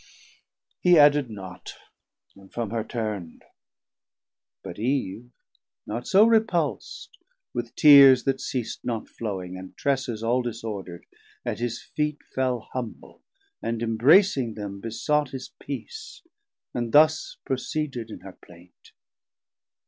He added not, and from her turn'd, but Eve Not so repulst, with Tears that ceas'd not flowing, 910 And tresses all disorderd, at his feet Fell humble, and imbracing them, besaught His peace, and thus proceeded in her plaint.